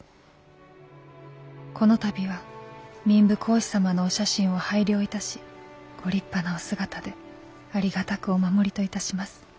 この度は民部公子様のお写真を拝領いたしご立派なお姿でありがたくお守りといたします。